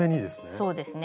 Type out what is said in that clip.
そうですね。